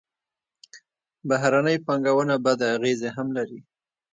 بهرنۍ پانګونه بدې اغېزې هم لري.